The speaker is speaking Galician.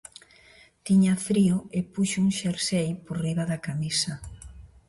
Tiña frío e puxo un xersei por riba da camisa.